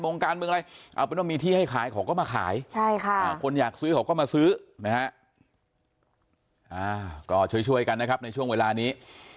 นะฮะก็ช่วยกันนะครับในช่วงเวลานี้